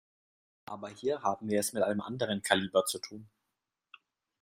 Aber hier haben wir es mit einem anderen Kaliber zu tun.